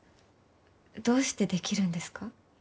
どうしてできるんですか？